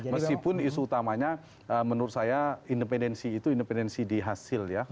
meskipun isu utamanya menurut saya independensi itu independensi di hasil ya